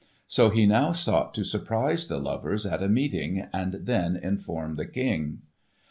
So he now sought to surprise the lovers at a meeting and then inform the King.